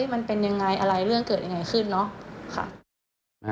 มันเป็นยังไงอะไรเรื่องเกิดยังไงขึ้นเนาะ